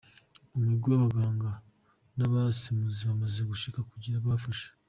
Umugwi w'abaganga n'abasemuzi bamaze gushika kugira bafashe.